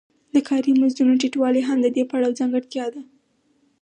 د کاري مزدونو ټیټوالی هم د دې پړاو ځانګړتیا ده